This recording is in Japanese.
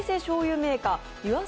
メーカー湯浅